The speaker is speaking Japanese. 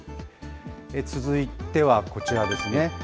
続いてはこちらですね。